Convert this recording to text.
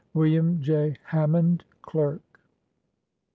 "WM. J. HAMMOND, Clerk."